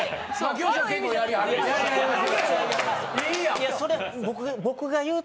いやそれ。